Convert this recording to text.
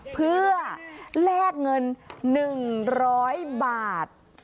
เพื่อแลกเงิน๑๐๐บาท